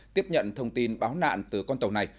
tiếp nhận thông tin báo nạn từ con tàu này